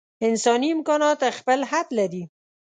انساني امکانات خپل حد لري.